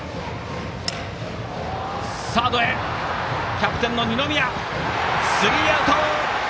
キャプテンの二宮がとってスリーアウト！